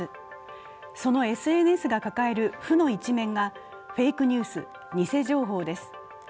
そのＳＮＳが抱える負の一面がフェイクニュース、偽情報です。